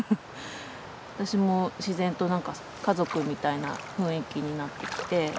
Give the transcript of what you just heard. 私も自然となんかその家族みたいな雰囲気になってきて。